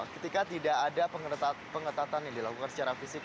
ketika tidak ada pengetatan yang dilakukan secara fisik